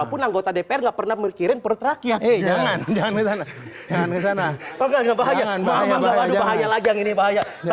kota dpr gak pernah mikirin perut rakyat jangan jangan jangan jangan bahaya bahaya bahaya bahaya